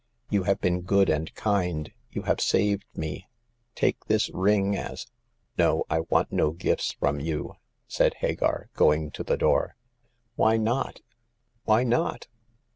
" You have been good and kind ; you have saved me. Take this ring as "" No I want no gifts from you," said Hagar, going to the door. " Why not— why not